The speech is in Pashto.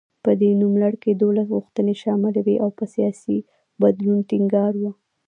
په دې نوملړ کې دولس غوښتنې شاملې وې او پر سیاسي بدلون ټینګار و.